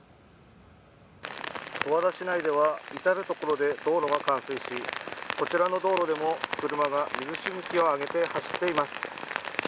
十和田市内では、至る所で道路が冠水し、こちらの道路でも車が水しぶきを上げて走っています。